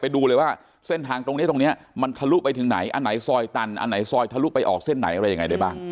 ดูเลยว่าเส้นทางตรงนี้ตรงนี้มันทะลุไปถึงไหนอันไหนซอยตันอันไหนซอยทะลุไปออกเส้นไหนอะไรยังไงได้บ้าง